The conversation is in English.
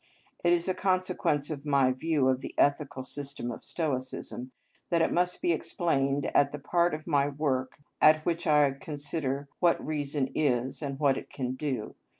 It is a consequence of my view of the ethical system of Stoicism that it must be explained at the part of my work at which I consider what reason is and what it can do.